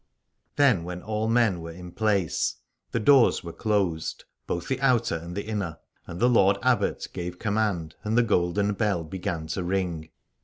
Then when all men were in place the doors were closed, both the outer and the inner, and the Lord Abbot gave command and the Golden Bell began to ring.